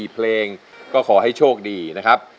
๔เพลงก็ขอให้โชคดีนะครับ